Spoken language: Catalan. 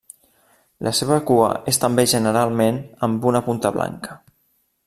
La seva cua és també generalment amb una punta blanca.